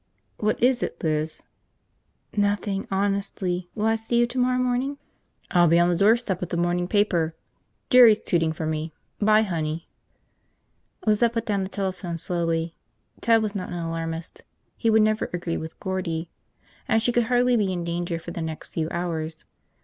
"What is it, Liz?" "Nothing, honestly. Will I see you tomorrow morning?" "I'll be on the doorstep with the morning paper. Jerry's tooting for me. 'Bye, honey." Lizette put down the telephone slowly. Ted was not an alarmist – he would never agree with Gordie. And she could hardly be in danger for the next few hours.